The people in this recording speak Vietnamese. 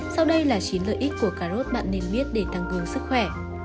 sau đây là chính lợi ích của cà rốt bạn nên biết để tăng cường sức khỏe